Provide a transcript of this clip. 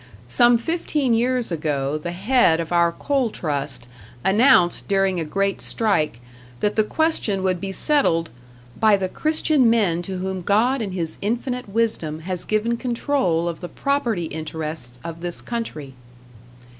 Some fifteen years ago the head of our Coal Trust announced during a great strike that the question would be settled "by the Christian men to whom God in His Infinite Wisdom has given control of the property interests of this country".